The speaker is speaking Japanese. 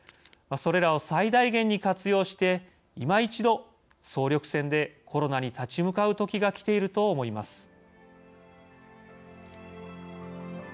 それらを最大限に活用して今一度、総力戦でコロナに立ち向かう時が来ていると思います。